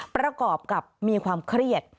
ประกอบกับมีความเครียด